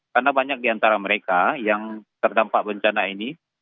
karena banyak diantara mereka yang terdampak bencana ini